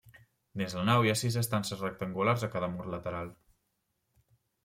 Dins la nau hi ha sis estances rectangulars a cada mur lateral.